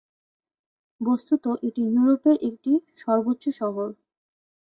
বস্তুত এটি ইউরোপের এটি সর্বোচ্চ শহর।